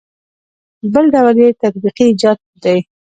بل ډول یې تطبیقي ایجاد دی.